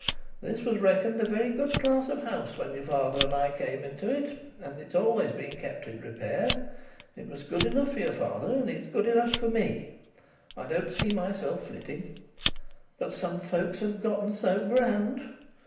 "This was reckoned a very good class of house when your father and I came into it. And it's always been kept in repair. It was good enough for your father, and it's good enough for me. I don't see myself flitting. But some folks have gotten so grand.